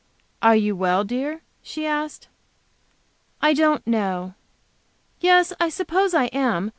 "Are you not well, dear?" she asked. "I don't know. Yes. I suppose I am.